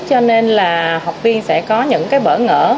cho nên là học viên sẽ có những cái bỡ ngỡ